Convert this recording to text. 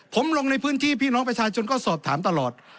ผมลงในพื้นที่พี่น้องประชาชนก็สอบถามตลอด